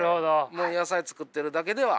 もう野菜作ってるだけでは。